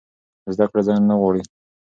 زده کړه ځنډ نه غواړي.